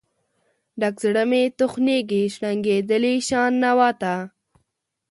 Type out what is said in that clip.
ډک زړه مې تخنیږي، شرنګیدلې شان نوا ته